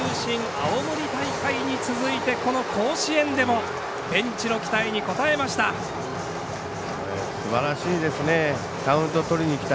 青森大会に続いてこの甲子園でもベンチの期待に応えました。